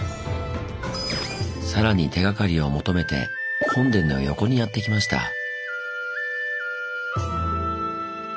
更に手がかりを求めて本殿の横にやって来ました。